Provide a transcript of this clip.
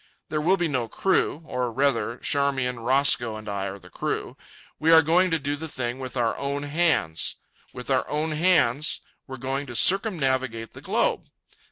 There will be no crew. Or, rather, Charmian, Roscoe, and I are the crew. We are going to do the thing with our own hands. With our own hands we're going to circumnavigate the globe.